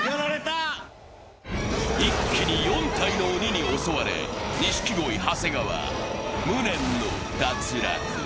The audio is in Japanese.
一気に４体の鬼に襲われ、錦鯉・長谷川、無念の脱落。